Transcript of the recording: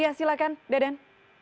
iya silahkan deden